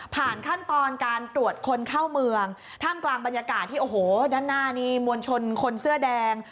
ขั้นตอนการตรวจคนเข้าเมืองท่ามกลางบรรยากาศที่โอ้โหด้านหน้านี่มวลชนคนเสื้อแดง